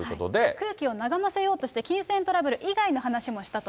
空気を和ませようとして金銭トラブル以外の話もしたと。